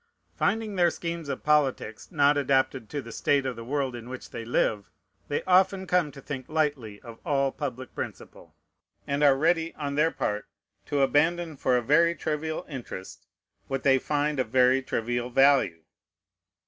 Finding their schemes of politics not adapted to the state of the world in which they live, they often come to think lightly of all public principle, and are ready, on their part, to abandon for a very trivial interest what they find of very trivial value.